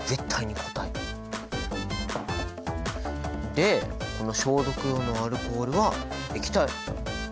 でこの消毒用のアルコールは液体！